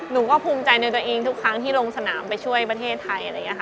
หนูก็ภูมิใจในตัวเองทุกครั้งที่ลงสนามไปช่วยประเทศไทย